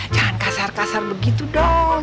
jangan kasar kasar begitu dong